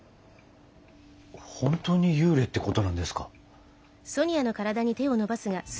本当に幽霊ってことなんですか？